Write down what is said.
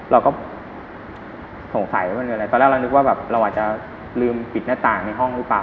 เราก็สงสัยว่ามันมีอะไรตอนแรกเรานึกว่าแบบเราอาจจะลืมปิดหน้าต่างในห้องหรือเปล่า